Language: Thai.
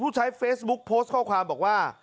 ใช้เฟซบุ๊คโพสต์ข้อความบอกว่า